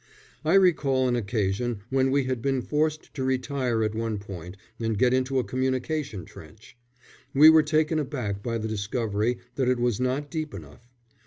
I recall an occasion when we had been forced to retire at one point and get into a communication trench; we were taken aback by the discovery that it was not deep enough.